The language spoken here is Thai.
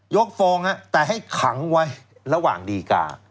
กองแต่ให้ขังไว้ระหว่างดีกา